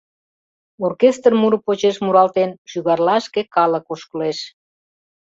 Оркестр муро почеш муралтен, шӱгарлашке калык ошкылеш.